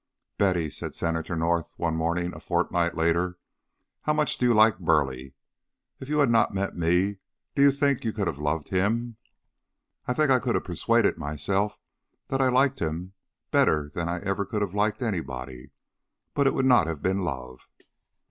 "Betty," said Senator North, one morning a fortnight later, "how much do you like Burleigh? If you had not met me, do you think you could have loved him?" "I think I could have persuaded myself that I liked him better than I ever could have liked anybody; but it would not have been love."